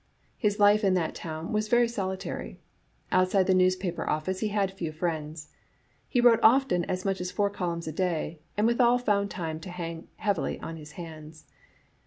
His life in that town was very solitary. Outside the newspaper office he had few friends. He wrote often as much as four columns a day, and withal found time hang heavy on his hands.